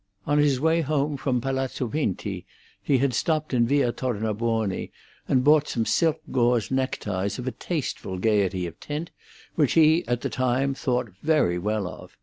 On his way home from Palazzo Pinti he had stopped in Via Tornabuoni and bought some silk gauze neckties of a tasteful gaiety of tint, which he had at the time thought very well of.